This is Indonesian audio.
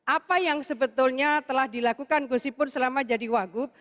apa yang sebetulnya telah dilakukan gusipur selama jadi wagub